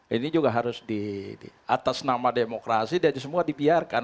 ini juga harus di atas nama demokrasi dan semua dibiarkan